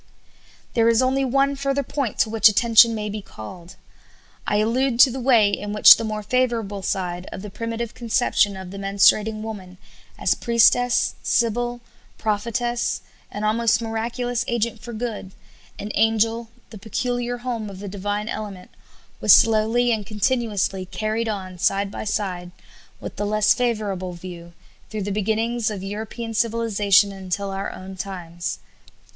There is only one further point to which attention may be called. I allude to the way in which the more favorable side of the primitive conception of the menstruating woman as priestess, sibyl, prophetess, an almost miraculous agent for good, an angel, the peculiar home of the divine element was slowly and continuously carried on side by side with the less favorable view, through the beginnings of European civilization until our own times.